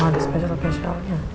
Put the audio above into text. mau ada spesial spesialnya